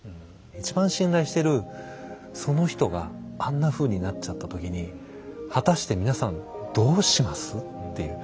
一番信頼してるその人があんなふうになっちゃった時に果たして皆さんどうします？っていう。